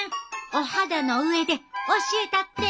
お肌の上で教えたって！